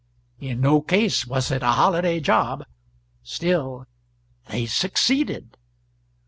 In no case was it a holiday job; still they succeeded.